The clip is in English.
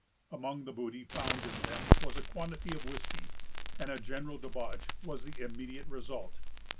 Among the booty found in them was a quantity of whiskey, and a general debauch was the immediate result.